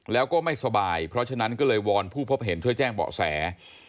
แล้วก็ไม่สบายเพราะฉะนั้นก็เลยวอนผู้พบเห็นช่วยแจ้งเบาะแส